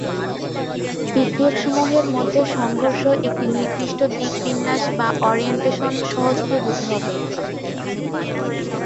New ইয়র্কের সঠিক অক্ষাংশ কি।